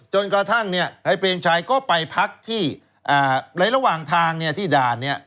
จนกระทั่งให้เปลี่ยนชายก็ไปพักที่หลายระหว่างทางที่ด่าน